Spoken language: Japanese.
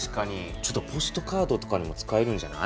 ちょっとポストカードとかにも使えるんじゃない？